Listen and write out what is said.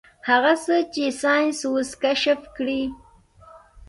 هغه څه چې ساينس اوس کشف کړي.